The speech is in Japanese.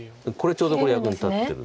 ちょうどこれ役に立ってる。